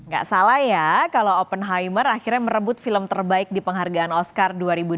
gak salah ya kalau open hoymer akhirnya merebut film terbaik di penghargaan oscar dua ribu dua puluh